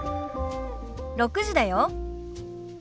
６時だよ。